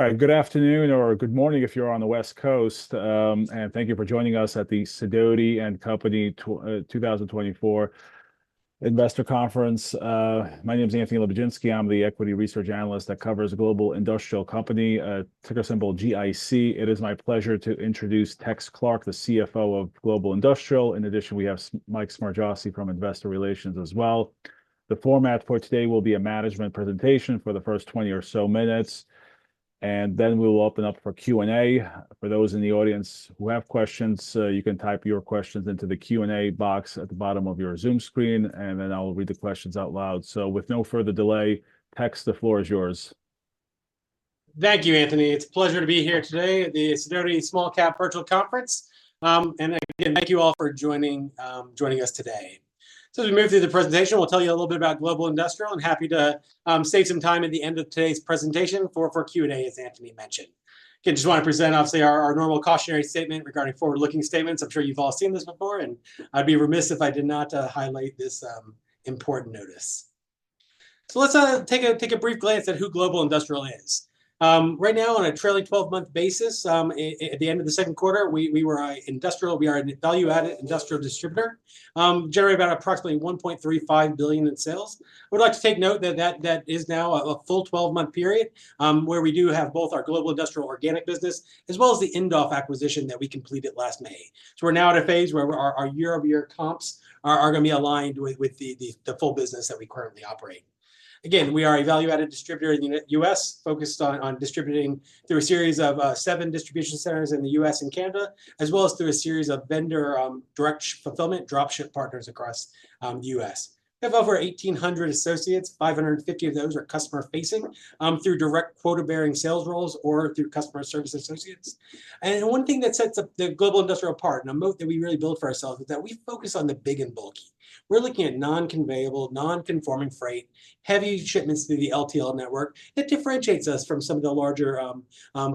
All right, good afternoon, or good morning if you're on the West Coast, and thank you for joining us at the Sidoti & Company 2024 Investor Conference. My name is Anthony Lebiedzinski. I'm the equity research analyst that covers Global Industrial Company, ticker symbol GIC. It is my pleasure to introduce Tex Clark, the CFO of Global Industrial. In addition, we have Mike Smargiassi from Investor Relations as well. The format for today will be a management presentation for the first twenty or so minutes, and then we will open up for Q&A. For those in the audience who have questions, you can type your questions into the Q&A box at the bottom of your Zoom screen, and then I'll read the questions out loud. So with no further delay, Tex, the floor is yours. Thank you, Anthony. It's a pleasure to be here today at the Sidoti Small Cap Virtual Conference, and again, thank you all for joining us today, so as we move through the presentation, we'll tell you a little bit about Global Industrial. I'm happy to save some time at the end of today's presentation for Q&A, as Anthony mentioned. Okay, I just wanna present, obviously, our normal cautionary statement regarding forward-looking statements. I'm sure you've all seen this before, and I'd be remiss if I did not highlight this important notice, so let's take a brief glance at who Global Industrial is. Right now, on a trailing twelve-month basis, at the end of the second quarter, we are a value-added industrial distributor, generate approximately $1.35 billion in sales. We'd like to take note that that is now a full twelve-month period, where we do have both our Global Industrial organic business, as well as the Indoff acquisition that we completed last May. So we're now at a phase where our year-over-year comps are gonna be aligned with the full business that we currently operate. Again, we are a value-added distributor in the US, focused on distributing through a series of seven distribution centers in the US and Canada, as well as through a series of vendor direct fulfillment, drop-ship partners across the US. We have over 1,800 associates, 550 of those are customer-facing, through direct quota-bearing sales roles or through customer service associates. One thing that sets the Global Industrial apart, and a moat that we really built for ourselves, is that we focus on the big and bulky. We're looking at non-conveyable, non-conforming freight, heavy shipments through the LTL network, that differentiates us from some of the larger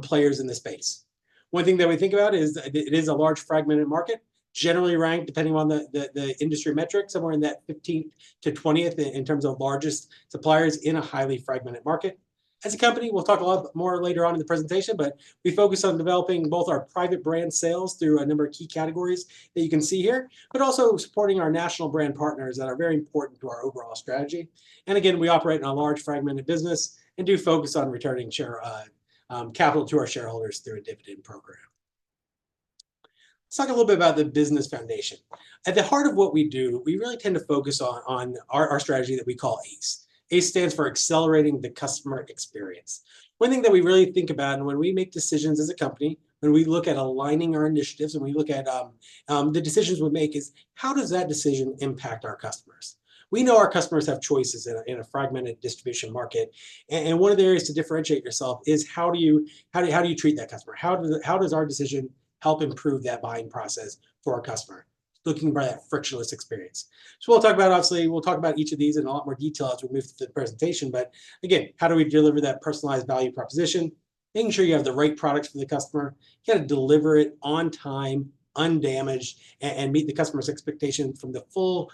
players in the space. One thing that we think about is that it is a large, fragmented market, generally ranked, depending on the industry metrics, somewhere in that 15th to 20th in terms of largest suppliers in a highly fragmented market. As a company, we'll talk a lot more later on in the presentation, but we focus on developing both our private brand sales through a number of key categories that you can see here, but also supporting our national brand partners that are very important to our overall strategy. And again, we operate in a large, fragmented business and do focus on returning share, capital to our shareholders through a dividend program. Let's talk a little bit about the business foundation. At the heart of what we do, we really tend to focus on our strategy that we call ACE. ACE stands for Accelerating the Customer Experience. One thing that we really think about and when we make decisions as a company, when we look at aligning our initiatives and we look at the decisions we make, is: how does that decision impact our customers? We know our customers have choices in a fragmented distribution market, and one of the areas to differentiate yourself is how do you treat that customer? How does our decision help improve that buying process for our customer, looking for that frictionless experience? So we'll talk about... Obviously, we'll talk about each of these in a lot more detail as we move through the presentation. But again, how do we deliver that personalized value proposition? Making sure you have the right products for the customer. You got to deliver it on time, undamaged, and meet the customer's expectations from the full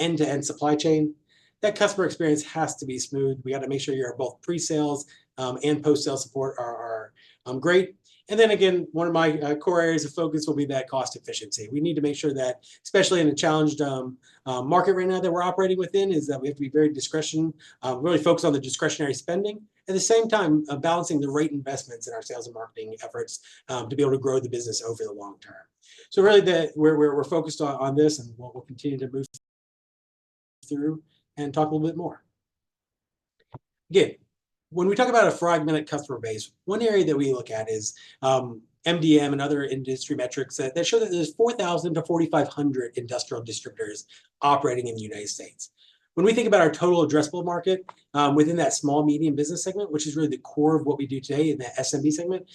end-to-end supply chain. That customer experience has to be smooth. We got to make sure your both pre-sales and post-sale support are great. Then again, one of my core areas of focus will be that cost efficiency. We need to make sure that, especially in a challenged market right now that we're operating within, we have to be very discretionary, really focused on the discretionary spending, at the same time, balancing the right investments in our sales and marketing efforts, to be able to grow the business over the long term. Really, we're focused on this and what we'll continue to move through and talk a little bit more. Again, when we talk about a fragmented customer base, one area that we look at is MDM and other industry metrics that show that there's 4,000 to 4,500 industrial distributors operating in the United States. When we think about our total addressable market within that small, medium business segment, which is really the core of what we do today in the SMB segment,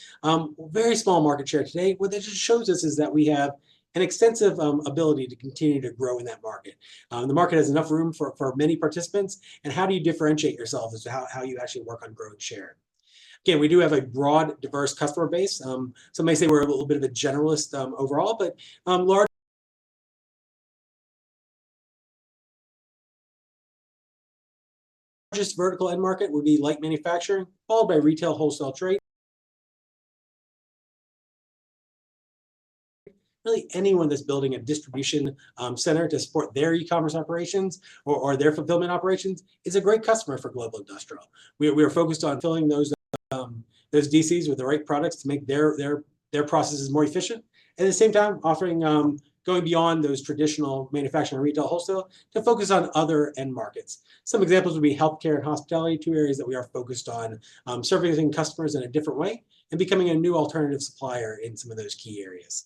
very small market share today. What this just shows us is that we have an extensive ability to continue to grow in that market. The market has enough room for many participants, and how do you differentiate yourself as to how you actually work on growing share? Again, we do have a broad, diverse customer base. Some may say we're a little bit of a generalist overall, but large... largest vertical end market would be light manufacturing, followed by retail, wholesale, trade. Really, anyone that's building a distribution center to support their e-commerce operations or their fulfillment operations is a great customer for Global Industrial. We are focused on filling those DCs with the right products to make their processes more efficient, at the same time, offering going beyond those traditional manufacturing, retail, wholesale to focus on other end markets. Some examples would be healthcare and hospitality, two areas that we are focused on servicing customers in a different way and becoming a new alternative supplier in some of those key areas.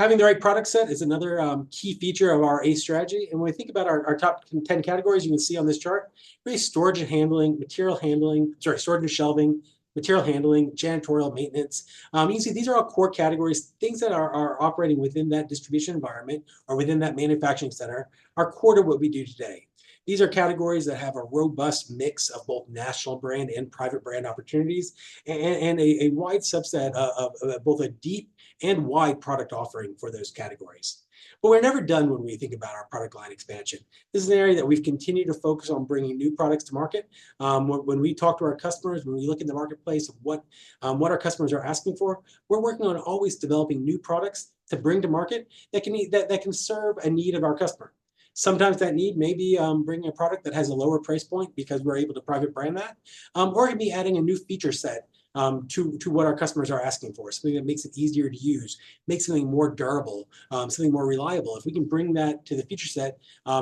Having the right product set is another key feature of our ACE strategy. And when we think about our top ten categories, you can see on this chart, really storage and handling, material handling, sorry, storage and shelving, material handling, janitorial, maintenance. You can see these are all core categories. Things that are operating within that distribution environment or within that manufacturing center are core to what we do today. These are categories that have a robust mix of both national brand and private brand opportunities, and a wide subset of both a deep and wide product offering for those categories. But we're never done when we think about our product line expansion. This is an area that we've continued to focus on bringing new products to market. When we talk to our customers, when we look in the marketplace, what our customers are asking for, we're working on always developing new products to bring to market that can meet that can serve a need of our customer. Sometimes that need may be bringing a product that has a lower price point because we're able to private brand that, or it may be adding a new feature set to what our customers are asking for, something that makes it easier to use, make something more durable, something more reliable. If we can bring that to the feature set,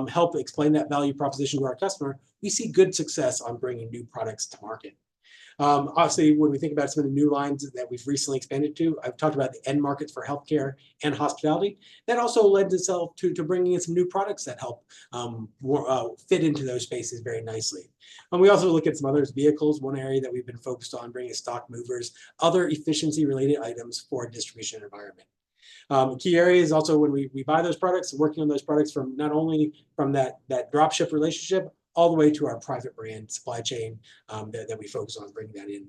help explain that value proposition to our customer, we see good success on bringing new products to market. Obviously, when we think about some of the new lines that we've recently expanded to, I've talked about the end markets for healthcare and hospitality. That also lends itself to bringing in some new products that help more fit into those spaces very nicely, and we also look at some other vehicles. One area that we've been focused on bringing is stock movers, other efficiency-related items for a distribution environment. Key areas also when we buy those products, working on those products from not only that drop-ship relationship all the way to our private brand supply chain, that we focus on bringing that in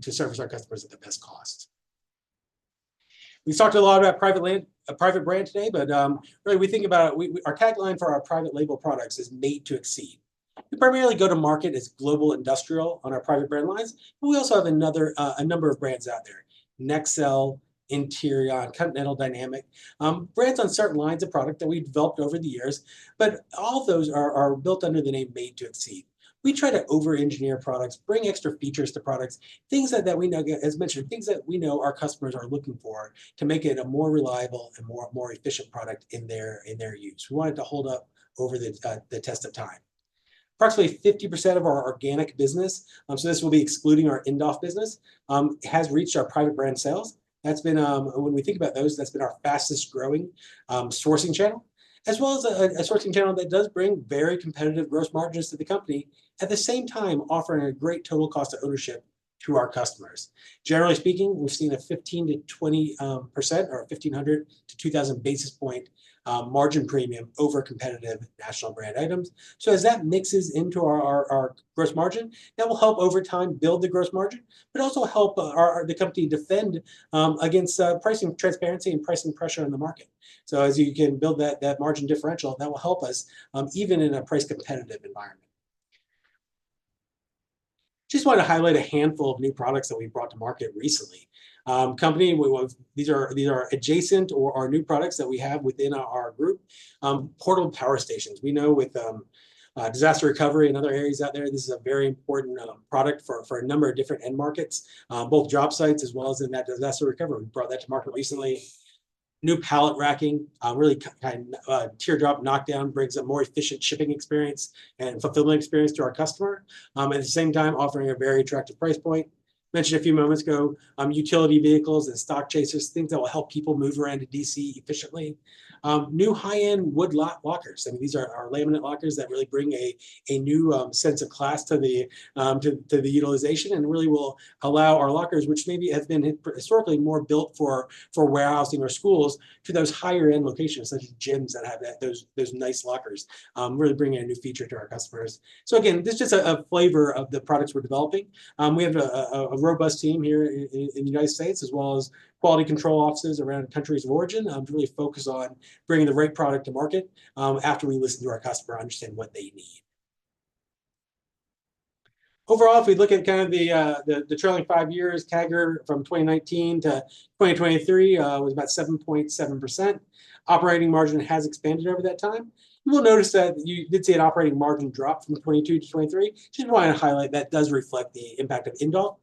to service our customers at the best cost. We've talked a lot about private label, private brand today, but really, we think about we, we... Our tagline for our private label products is Made to Exceed. We primarily go to market as Global Industrial on our private brand lines, but we also have another, a number of brands out there: Nexel, Interion, Continental Dynamics. Brands on certain lines of product that we've developed over the years, but all those are built under the name Made to Exceed. We try to over-engineer products, bring extra features to products, things that we know, as mentioned, things that we know our customers are looking for to make it a more reliable and more efficient product in their use. We want it to hold up over the test of time. Approximately 50% of our organic business, so this will be excluding our Indoff business, has reached our private brand sales. That's been, when we think about those, that's been our fastest-growing sourcing channel, as well as a sourcing channel that does bring very competitive gross margins to the company. At the same time, offering a great total cost of ownership to our customers. Generally speaking, we've seen a 15%-20% or a 1,500-2,000 basis point margin premium over competitive national brand items. So as that mixes into our gross margin, that will help over time build the gross margin, but also help the company defend against pricing transparency and pricing pressure in the market. So as you can build that margin differential, that will help us even in a price competitive environment. Just wanted to highlight a handful of new products that we brought to market recently. Company, we want these are adjacent or are new products that we have within our group. Portable power stations. We know with disaster recovery and other areas out there, this is a very important product for a number of different end markets, both job sites as well as in that disaster recovery. We brought that to market recently. New pallet racking, really kind teardrop knockdown brings a more efficient shipping experience and fulfillment experience to our customer at the same time, offering a very attractive price point. Mentioned a few moments ago, utility vehicles and stock chasers, things that will help people move around a DC efficiently. New high-end wood lockers. I mean, these are our laminate lockers that really bring a new sense of class to the utilization and really will allow our lockers, which maybe have been historically more built for warehousing or schools, to those higher-end locations, such as gyms that have those nice lockers. Really bringing a new feature to our customers. So again, this is just a flavor of the products we're developing. We have a robust team here in the United States, as well as quality control offices around countries of origin, to really focus on bringing the right product to market, after we listen to our customer, understand what they need. Overall, if we look at kind of the trailing five years, CAGR from 2019 to 2023, was about 7.7%. Operating margin has expanded over that time. You will notice that you did see an operating margin drop from 2022 to 2023. Just want to highlight that does reflect the impact of Indoff.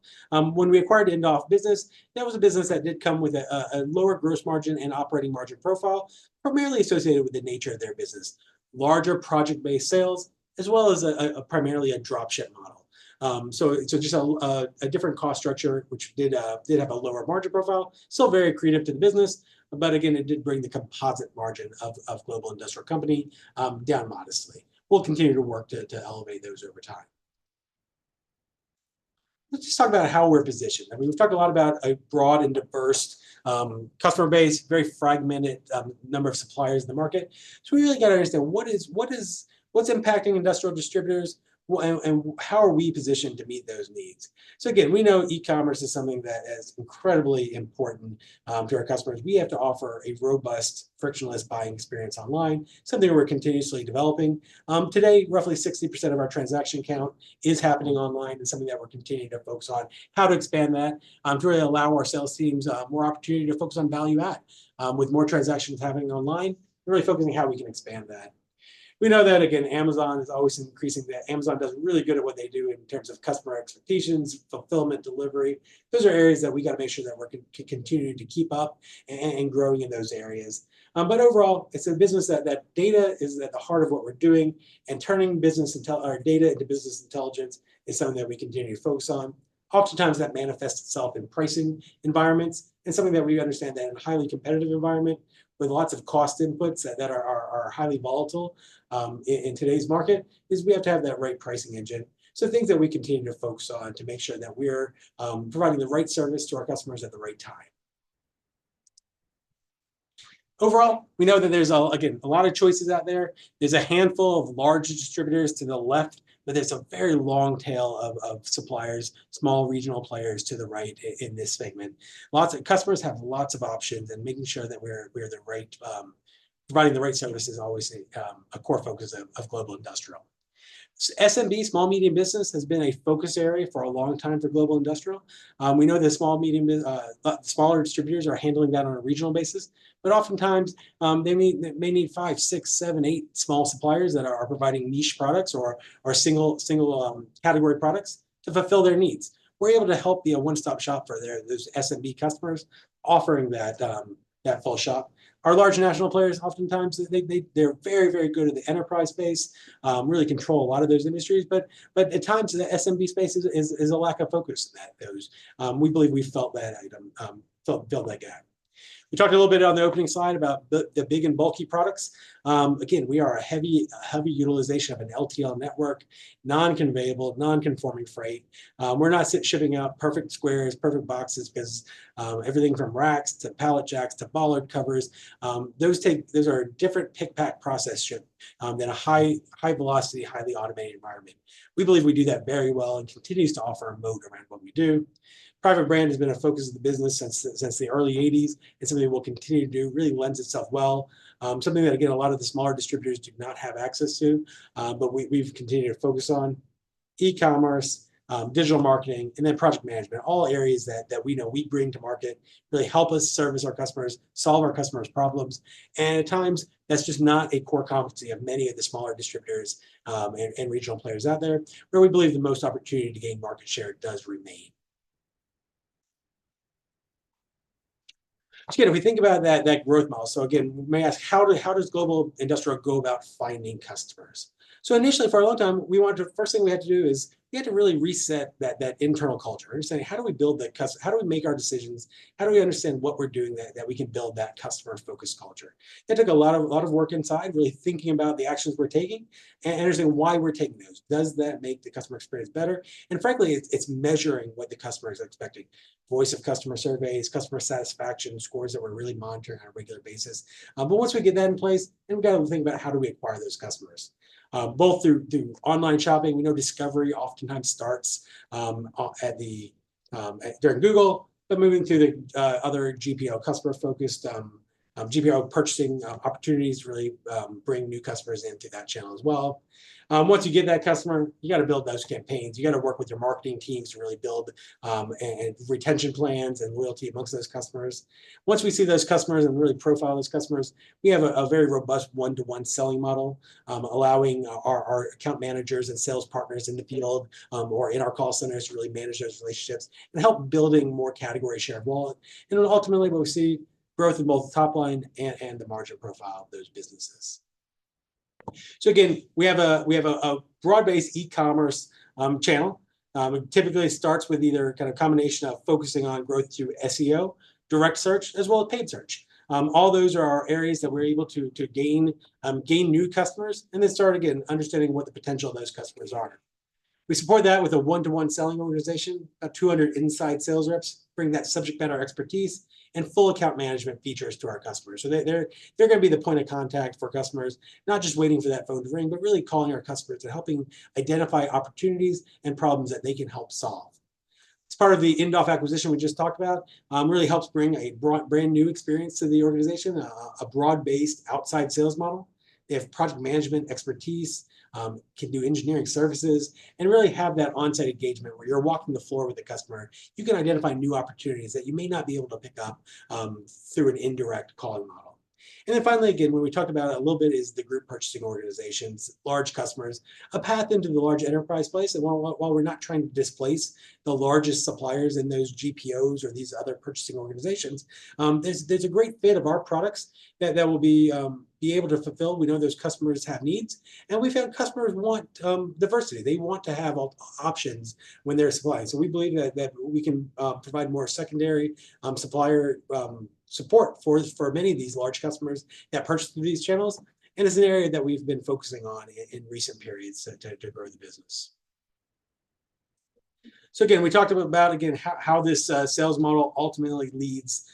When we acquired Indoff business, that was a business that did come with a lower gross margin and operating margin profile, primarily associated with the nature of their business. Larger project-based sales, as well as a primarily drop-ship model. So just a different cost structure, which did have a lower margin profile, still very accretive to the business, but again, it did bring the composite margin of Global Industrial Company down modestly. We'll continue to work to elevate those over time. Let's just talk about how we're positioned. I mean, we've talked a lot about a broad and diverse, customer base, very fragmented, number of suppliers in the market. So we really got to understand what's impacting industrial distributors and how are we positioned to meet those needs? So again, we know e-commerce is something that is incredibly important, to our customers. We have to offer a robust, frictionless buying experience online, something we're continuously developing. Today, roughly 60% of our transaction count is happening online and something that we're continuing to focus on. How to expand that, to really allow our sales teams, more opportunity to focus on value add. With more transactions happening online, we're really focusing on how we can expand that. We know that, again, Amazon is always increasing the... Amazon does really good at what they do in terms of customer expectations, fulfillment, delivery. Those are areas that we got to make sure that we're continuing to keep up and growing in those areas. But overall, it's a business that data is at the heart of what we're doing, and turning our data into business intelligence is something that we continue to focus on. Oftentimes, that manifests itself in pricing environments, and something that we understand that in a highly competitive environment with lots of cost inputs that are highly volatile in today's market is we have to have that right pricing engine. So things that we continue to focus on to make sure that we're providing the right service to our customers at the right time.... Overall, we know that there's again a lot of choices out there. There's a handful of large distributors to the left, but there's a very long tail of suppliers, small regional players to the right in this segment. Lots of customers have lots of options, and making sure that we're the right providing the right service is always a core focus of Global Industrial. SMB, small medium business, has been a focus area for a long time for Global Industrial. We know that smaller distributors are handling that on a regional basis, but oftentimes they may need five, six, seven, eight small suppliers that are providing niche products or single category products to fulfill their needs. We're able to help be a one-stop shop for their, those SMB customers, offering that, that full shop. Our large national players, oftentimes, they, they're very, very good in the enterprise space, really control a lot of those industries, but at times, the SMB space is a lack of focus in that those, we believe we've filled that gap. We talked a little bit on the opening slide about the big and bulky products. Again, we are a heavy, heavy utilization of an LTL network, non-conveyable, non-conforming freight. We're not shipping out perfect squares, perfect boxes, because everything from racks to pallet jacks to bollard covers, those are a different pick-pack-process ship than a high, high velocity, highly automated environment. We believe we do that very well and continues to offer a moat around what we do. Private brand has been a focus of the business since the early eighties, and something we'll continue to do, really lends itself well. Something that, again, a lot of the smaller distributors do not have access to. But we, we've continued to focus on e-commerce, digital marketing, and then project management. All areas that we know we bring to market, really help us service our customers, solve our customers' problems. At times, that's just not a core competency of many of the smaller distributors, and regional players out there, where we believe the most opportunity to gain market share does remain. Again, if we think about that, that growth model, so again, you may ask, "How do, how does Global Industrial go about finding customers?" So initially, for a long time, we wanted to, first thing we had to do is we had to really reset that, that internal culture and say: How do we build that customer? How do we make our decisions? How do we understand what we're doing, that, that we can build that customer-focused culture? That took a lot of, a lot of work inside, really thinking about the actions we're taking and understanding why we're taking those. Does that make the customer experience better? And frankly, it's, it's measuring what the customer is expecting. Voice of customer surveys, customer satisfaction scores that we're really monitoring on a regular basis. But once we get that in place, then we got to think about how do we acquire those customers? Both through online shopping, we know discovery oftentimes starts on Google, but moving through the other GPO customer-focused GPO purchasing opportunities to really bring new customers in through that channel as well. Once you get that customer, you gotta build those campaigns. You gotta work with your marketing teams to really build and retention plans and loyalty amongst those customers. Once we see those customers and really profile those customers, we have a very robust one-to-one selling model, allowing our account managers and sales partners in the field or in our call centers, to really manage those relationships and help building more category share of wallet. And then ultimately, what we see, growth in both top line and the margin profile of those businesses. Again, we have a broad-based e-commerce channel. It typically starts with either kind of combination of focusing on growth through SEO, direct search, as well as paid search. All those are our areas that we're able to gain new customers, and then start again understanding what the potential of those customers are. We support that with a one-to-one selling organization of 200 inside sales reps, bring that subject matter expertise and full account management features to our customers. So they're gonna be the point of contact for customers, not just waiting for that phone to ring, but really calling our customers and helping identify opportunities and problems that they can help solve. As part of the Indoff acquisition we just talked about, really helps bring a brand-new experience to the organization, a broad-based outside sales model. They have project management expertise, can do engineering services, and really have that on-site engagement, where you're walking the floor with the customer. You can identify new opportunities that you may not be able to pick up through an indirect calling model. And then finally, again, when we talked about a little bit, is the group purchasing organizations, large customers, a path into the large enterprise place. And while we're not trying to displace the largest suppliers in those GPOs or these other purchasing organizations, there's a great fit of our products that will be able to fulfill. We know those customers have needs, and we found customers want diversity. They want to have options when they're supplying. We believe that we can provide more secondary supplier support for many of these large customers that purchase through these channels, and it's an area that we've been focusing on in recent periods to grow the business. Again, we talked about again how this sales model ultimately leads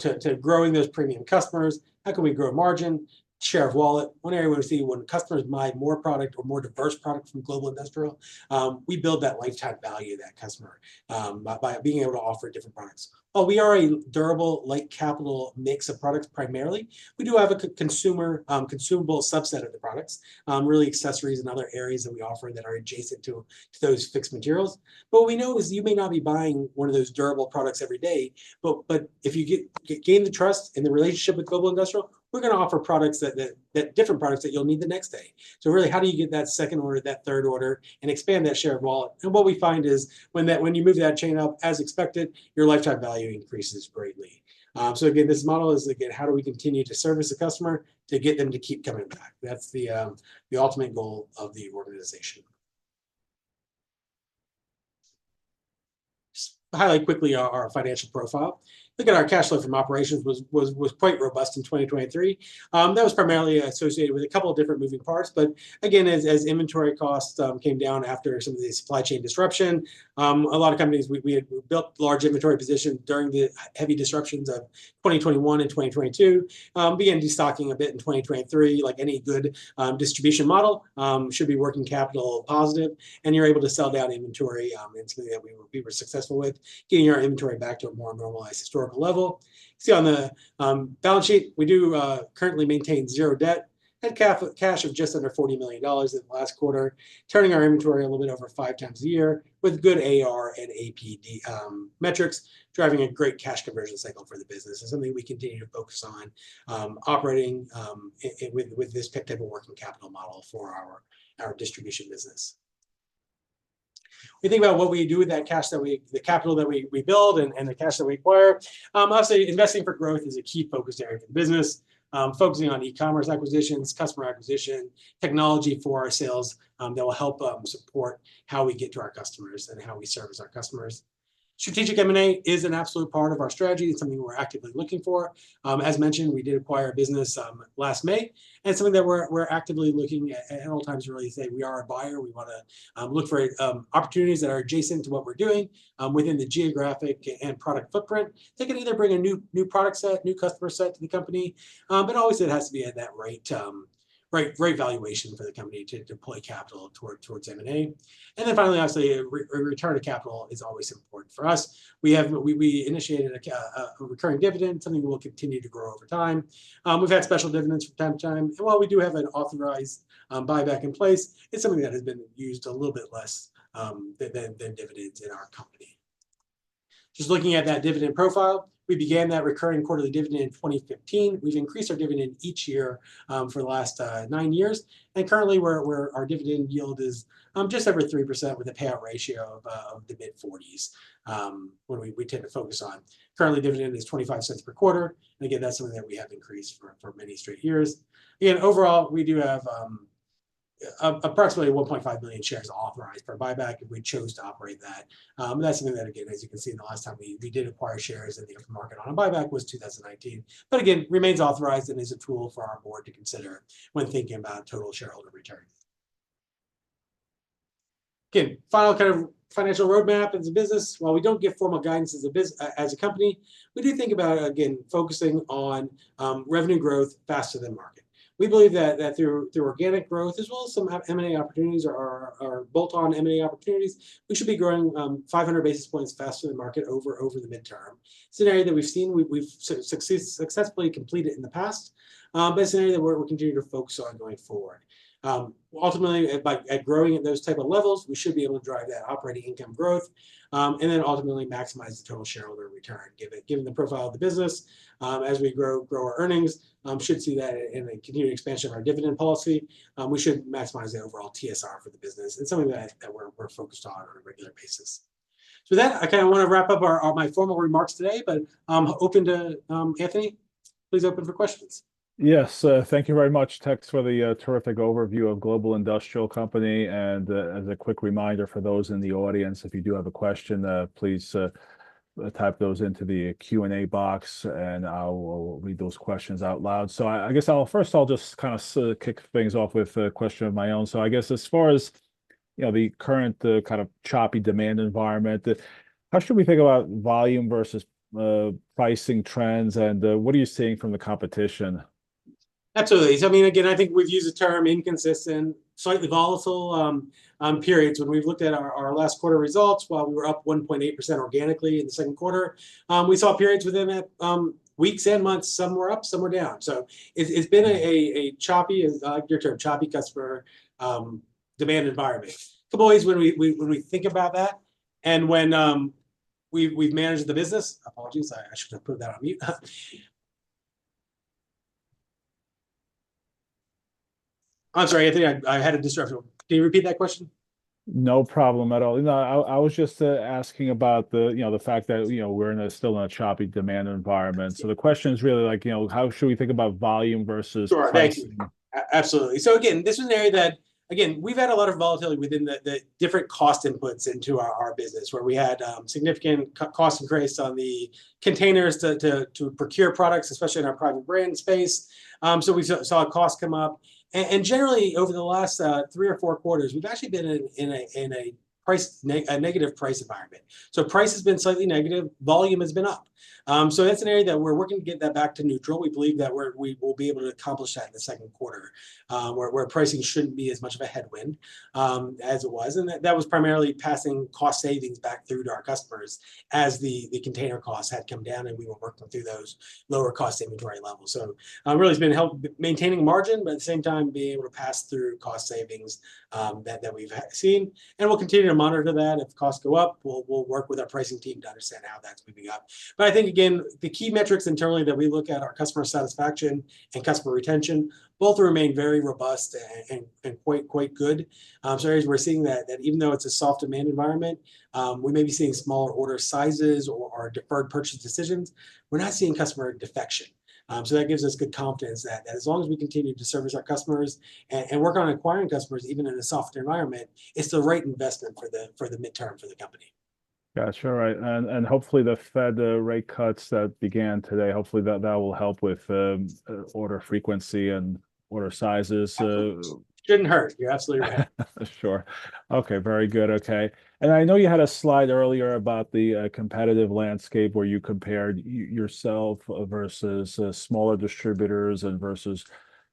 to growing those premium customers. How can we grow margin, share of wallet? One area where we see when customers buy more product or more diverse product from Global Industrial, we build that lifetime value of that customer by being able to offer different products. We are a durable, light capital mix of products primarily. We do have a consumable subset of the products, really accessories and other areas that we offer that are adjacent to those fixed materials. But we know, as you may not be buying one of those durable products every day, but if you gain the trust in the relationship with Global Industrial, we're gonna offer different products that you'll need the next day. So really, how do you get that second order, that third order, and expand that share of wallet? And what we find is when you move that chain up, as expected, your lifetime value increases greatly. So again, this model is how do we continue to service the customer to get them to keep coming back? That's the ultimate goal of the organization. So highly quickly, our financial profile. Looking at our cash flow from operations was quite robust in 2023. That was primarily associated with a couple of different moving parts, but again, as inventory costs came down after some of the supply chain disruption, a lot of companies we built large inventory position during the heavy disruptions of 2021 and 2022, began destocking a bit in 2023, like any good distribution model should be working capital positive, and you're able to sell down inventory, and so we were successful with getting our inventory back to a more normalized historical level. See, on the balance sheet, we do currently maintain zero debt, had cash of just under $40 million in the last quarter, turning our inventory a little bit over five times a year, with good AR and APD metrics, driving a great cash conversion cycle for the business. It's something we continue to focus on, operating with this type of working capital model for our distribution business. We think about what we do with that cash that the capital that we build and the cash that we acquire. Obviously, investing for growth is a key focus area for the business. Focusing on e-commerce acquisitions, customer acquisition, technology for our sales, that will help support how we get to our customers and how we service our customers. Strategic M&A is an absolute part of our strategy and something we're actively looking for. As mentioned, we did acquire a business last May, and something that we're actively looking at at all times, to really say, "We are a buyer." We wanna look for opportunities that are adjacent to what we're doing within the geographic and product footprint. They can either bring a new product set, new customer set to the company, but always it has to be at that right valuation for the company to deploy capital towards M&A, and then finally, obviously, a return to capital is always important for us. We initiated a recurring dividend, something that will continue to grow over time. We've had special dividends from time to time, and while we do have an authorized buyback in place, it's something that has been used a little bit less than dividends in our company. Just looking at that dividend profile, we began that recurring quarterly dividend in twenty fifteen. We've increased our dividend each year for the last nine years, and currently our dividend yield is just over 3%, with a payout ratio of the mid-40s%, what we tend to focus on. Currently, dividend is $0.25 per quarter, and again, that's something that we have increased for many straight years. Again, overall, we do have approximately 1.5 million shares authorized for buyback if we chose to operate that. That's something that, again, as you can see, the last time we did acquire shares in the open market on a buyback was 2019, but again, remains authorized and is a tool for our board to consider when thinking about total shareholder return. Again, final kind of financial roadmap as a business. While we don't give formal guidance as a company, we do think about, again, focusing on revenue growth faster than market. We believe that through organic growth, as well as some M&A opportunities or bolt-on M&A opportunities, we should be growing 500 basis points faster than the market over the midterm. Scenario that we've seen, we've successfully completed in the past, but it's an area that we're continuing to focus on going forward. Ultimately, by growing at those type of levels, we should be able to drive that operating income growth, and then ultimately maximize the total shareholder return, given the profile of the business. As we grow our earnings, should see that in a continued expansion of our dividend policy, we should maximize the overall TSR for the business, and something that we're focused on a regular basis. With that, I kinda wanna wrap up my formal remarks today, but open to... Anthony, please open for questions. Yes. Thank you very much, Tex, for the terrific overview of Global Industrial Company. As a quick reminder for those in the audience, if you do have a question, please type those into the Q&A box, and I'll read those questions out loud. I guess I'll first just kind of kick things off with a question of my own. So I guess as far as, you know, the current kind of choppy demand environment, how should we think about volume versus pricing trends, and what are you seeing from the competition? Absolutely. So I mean, again, I think we've used the term inconsistent, slightly volatile periods when we've looked at our last quarter results. While we were up 1.8% organically in the second quarter, we saw periods within that, weeks and months, some were up, some were down. So it's been a choppy, and I like your term, choppy customer demand environment. So always when we think about that and when we've managed the business. Apologies, I should have put that on mute. I'm sorry, Anthony, I had to disrupt you. Can you repeat that question? No problem at all. You know, I was just asking about the, you know, the fact that, you know, we're in a... still in a choppy demand environment. So the question is really like, you know, how should we think about volume versus- Sure. - pricing? Thank you. Absolutely. So again, this is an area that, again, we've had a lot of volatility within the different cost inputs into our business, where we had significant cost increase on the containers to procure products, especially in our private brand space. So we saw costs come up, and generally, over the last three or four quarters, we've actually been in a negative price environment. So price has been slightly negative, volume has been up. So that's an area that we're working to get that back to neutral. We believe that we will be able to accomplish that in the second quarter, where pricing shouldn't be as much of a headwind as it was. That was primarily passing cost savings back through to our customers as the container costs had come down, and we were working through those lower cost inventory levels. Really it's been helping maintaining margin, but at the same time, being able to pass through cost savings that we've seen. We'll continue to monitor that. If costs go up, we'll work with our pricing team to understand how that's moving up. But I think, again, the key metrics internally that we look at are customer satisfaction and customer retention. Both remain very robust and quite good. Areas we're seeing that even though it's a soft demand environment, we may be seeing smaller order sizes or deferred purchase decisions, we're not seeing customer defection. That gives us good confidence that, as long as we continue to service our customers and work on acquiring customers, even in a softer environment, it's the right investment for the midterm, for the company. ... Gotcha. All right, and hopefully, the Fed rate cuts that began today, hopefully that will help with order frequency and order sizes, so- Absolutely. Shouldn't hurt. You're absolutely right. Sure. Okay, very good. Okay, and I know you had a slide earlier about the competitive landscape, where you compared yourself versus smaller distributors and versus,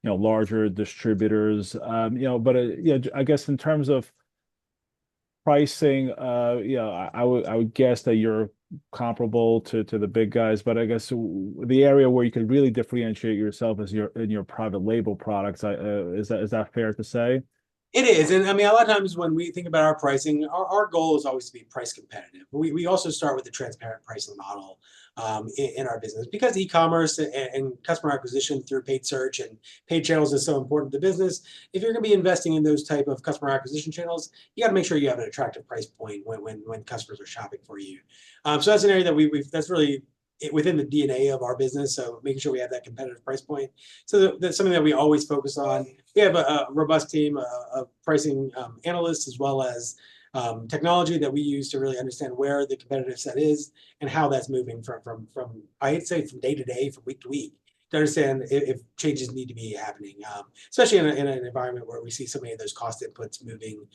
you know, larger distributors. You know, but yeah, I guess in terms of pricing, you know, I would guess that you're comparable to the big guys, but I guess the area where you could really differentiate yourself is your, in your private label products. Is that fair to say? It is, and I mean, a lot of times, when we think about our pricing, our goal is always to be price competitive. We also start with a transparent pricing model in our business. Because e-commerce and customer acquisition through paid search and paid channels is so important to business, if you're gonna be investing in those type of customer acquisition channels, you gotta make sure you have an attractive price point when customers are shopping for you. So that's an area that's really within the DNA of our business, so making sure we have that competitive price point. So that's something that we always focus on. We have a robust team of pricing analysts, as well as technology that we use to really understand where the competitive set is and how that's moving from, I'd say, from day to day, from week to week, to understand if changes need to be happening, especially in an environment where we see so many of those cost inputs moving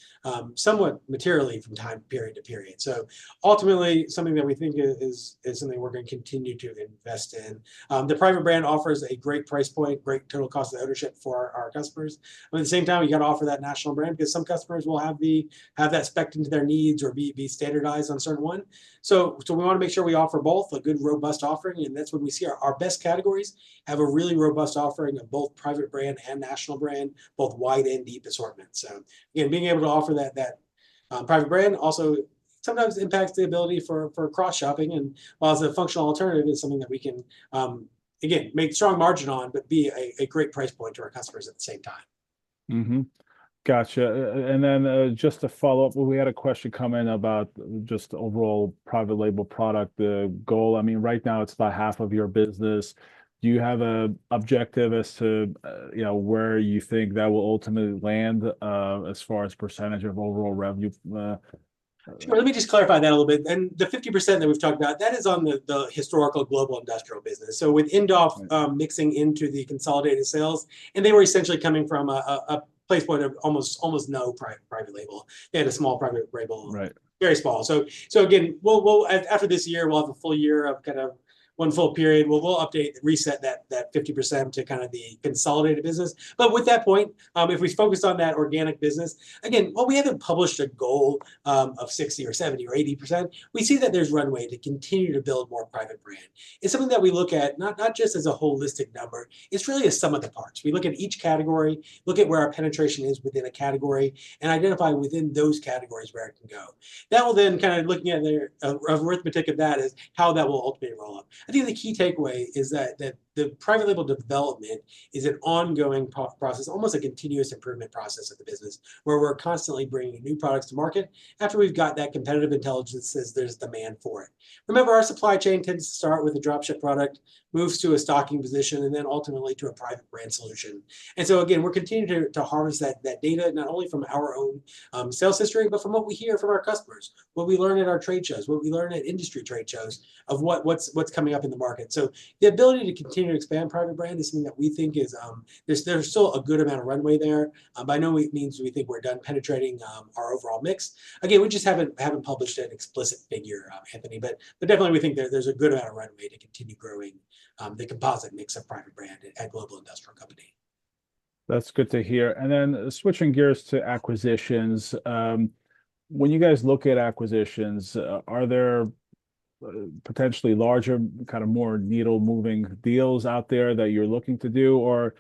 somewhat materially from time period to period. So ultimately, something that we think is something we're gonna continue to invest in. The private brand offers a great price point, great total cost of ownership for our customers, but at the same time, we gotta offer that national brand because some customers will have that spec'd into their needs or be standardized on a certain one. So we wanna make sure we offer both a good, robust offering, and that's when we see our best categories have a really robust offering of both private brand and national brand, both wide and deep assortment. So again, being able to offer that private brand also sometimes impacts the ability for cross-shopping, and while as a functional alternative, it's something that we can again make strong margin on but be a great price point to our customers at the same time. Gotcha. And then, just to follow up, we had a question come in about just the overall private label product, the goal. I mean, right now, it's about half of your business. Do you have an objective as to, you know, where you think that will ultimately land, as far as percentage of overall revenue? Sure, let me just clarify that a little bit. Then, the 50% that we've talked about, that is on the historical Global Industrial business. So with Indoff- Right... mixing into the consolidated sales, and they were essentially coming from a starting point of almost no private label. They had a small private label. Right. Very small. So again, we'll after this year, we'll have a full year of kind of one full period. We'll update and reset that 50% to kind of the consolidated business. But with that point, if we focus on that organic business, again, while we haven't published a goal of 60% or 70% or 80%, we see that there's runway to continue to build more private brand. It's something that we look at, not just as a holistic number. It's really a sum of the parts. We look at each category, look at where our penetration is within a category, and identify within those categories where it can go. That will then, kind of looking at the arithmetic of that, is how that will ultimately roll up. I think the key takeaway is that the private label development is an ongoing process, almost a continuous improvement process of the business, where we're constantly bringing new products to market after we've got that competitive intelligence says there's demand for it. Remember, our supply chain tends to start with a drop-ship product, moves to a stocking position, and then ultimately, to a private brand solution. And so again, we're continuing to harness that data, not only from our own sales history, but from what we hear from our customers, what we learn at our trade shows, what we learn at industry trade shows of what's coming up in the market. So the ability to continue to expand private brand is something that we think is there's still a good amount of runway there. By no means do we think we're done penetrating our overall mix. Again, we just haven't published an explicit figure, Anthony, but definitely we think there's a good amount of runway to continue growing the composite mix of private brand at Global Industrial Company. That's good to hear. And then switching gears to acquisitions, when you guys look at acquisitions, are there potentially larger, kind of more needle-moving deals out there that you're looking to do? Or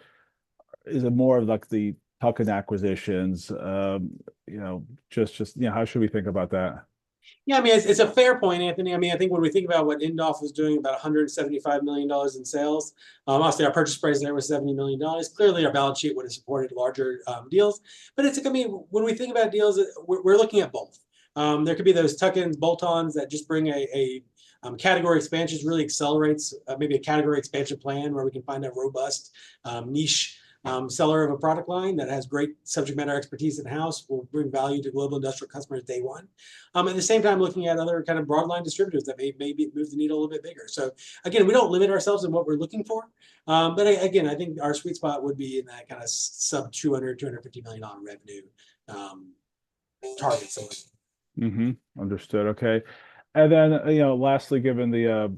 is it more of like the tuck-in acquisitions, you know, just you know... How should we think about that? Yeah, I mean, it's a fair point, Anthony. I mean, I think when we think about what Indoff was doing, about $175 million in sales, obviously, our purchase price there was $70 million. Clearly, our balance sheet would have supported larger deals. But I think, I mean, when we think about deals, we're looking at both. There could be those tuck-ins, bolt-ons that just bring a category expansions, really accelerates, maybe a category expansion plan, where we can find a robust niche seller of a product line that has great subject matter expertise in-house, will bring value to Global Industrial customers day one. At the same time, looking at other kind of broad line distributors that may maybe move the needle a little bit bigger. So again, we don't limit ourselves in what we're looking for, but again, I think our sweet spot would be in that kind of sub-$200 million-$250 million revenue target source. Mm-hmm. Understood, okay, and then, you know, lastly, given the,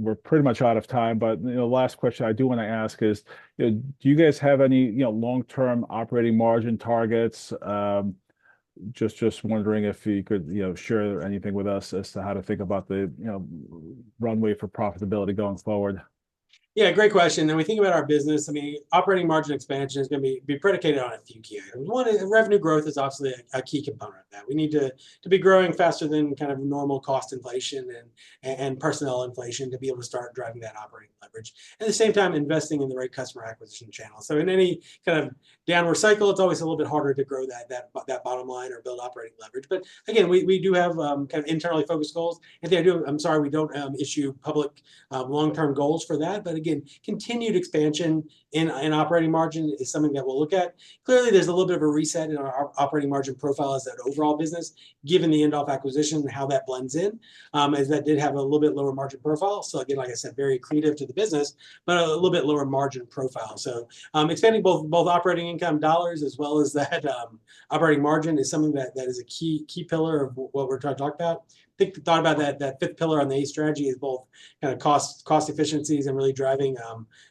we're pretty much out of time, but, you know, last question I do want to ask is: You know, do you guys have any, you know, long-term operating margin targets? Just wondering if you could, you know, share anything with us as to how to think about the, you know, runway for profitability going forward. Yeah, great question. When we think about our business, I mean, operating margin expansion is gonna be predicated on a few key items. One is, revenue growth is obviously a key component of that. We need to be growing faster than kind of normal cost inflation and personnel inflation to be able to start driving that operating leverage, at the same time, investing in the right customer acquisition channels. So in any kind of downward cycle, it's always a little bit harder to grow that bottom line or build operating leverage. But again, we do have kind of internally focused goals. We don't issue public long-term goals for that. But again, continued expansion in operating margin is something that we'll look at. Clearly, there's a little bit of a reset in our operating margin profile as an overall business, given the Indoff acquisition and how that blends in, as that did have a little bit lower margin profile. So again, like I said, very accretive to the business, but a little bit lower margin profile. Expanding both operating income dollars, as well as that operating margin, is something that is a key pillar of what we're trying to talk about. Think about that fifth pillar on the ACE strategy is both kind of cost efficiencies and really driving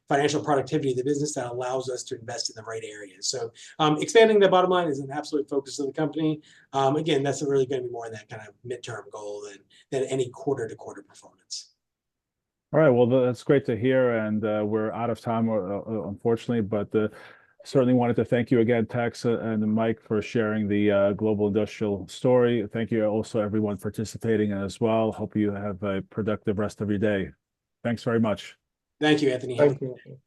financial productivity of the business that allows us to invest in the right areas. Expanding the bottom line is an absolute focus of the company. Again, that's really gonna be more of that kind of midterm goal than any quarter-to-quarter performance. All right, well, that's great to hear, and we're out of time, unfortunately, but certainly wanted to thank you again, Tex and Mike, for sharing the Global Industrial story. Thank you, also, everyone participating as well. Hope you have a productive rest of your day. Thanks very much. Thank you, Anthony.